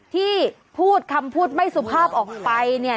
ที่พูดคำพูดไม่สุภาพออกไปเนี่ย